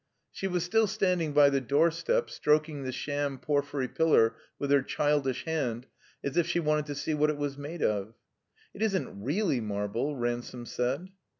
She was still standing by the doorstep, stroking the sham porphyry pillar with her childidi hand, as if she wanted to see what it was made of. "It isn't reeUy marble," Ransome said.